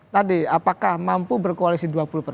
tadi apakah mampu berkoalisi dua puluh persen